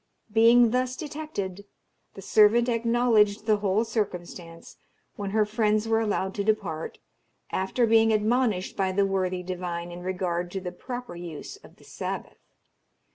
Being thus detected, the servant acknowledged the whole circumstance, when her friends were allowed to depart, after being admonished by the worthy divine in regard to the proper use of the Sabbath.